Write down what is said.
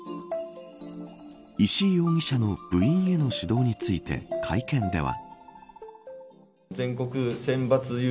石井容疑者の部員への指導について会見では。